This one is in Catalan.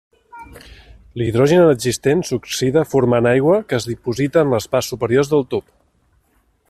L'hidrogen existent s'oxida formant aigua, que es diposita en els parts superiors del tub.